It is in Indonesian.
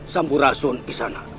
sampu rasun di sana